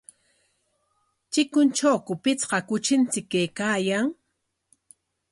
¿Chikuntrawku pichqa kuchinchik kaykaayan?